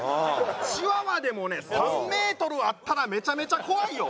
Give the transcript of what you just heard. チワワでもね３メートルあったらめちゃめちゃ怖いよ。